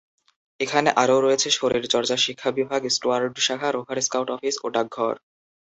এখানে আরও রয়েছে শরীরচর্চা শিক্ষা বিভাগ, স্টুয়ার্ড শাখা, রোভার স্কাউট অফিস ও ডাকঘর।